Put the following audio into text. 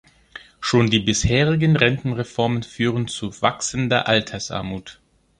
Schon die bisherigen Rentenreformen führen zu wachsender Altersarmut.